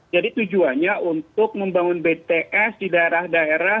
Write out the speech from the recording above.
jadi tujuannya untuk membangun bts di daerah daerah